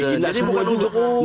jadi bukan ujung ujung